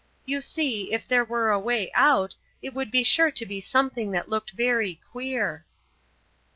You see, if there were a way out, it would be sure to be something that looked very queer."